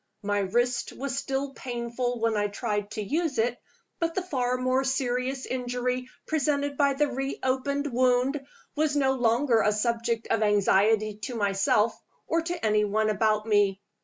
My wrist was still painful when I tried to use it; but the far more serious injury presented by the re opened wound was no longer a subject of anxiety to myself or to any one about me.